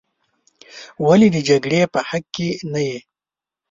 ولې د جګړې په حق کې نه یې.